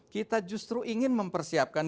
kita justru ingin mempersiapkan